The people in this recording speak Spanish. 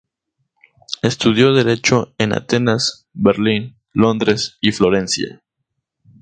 Estudió derecho en Atenas, Berlín, Londres y Florencia.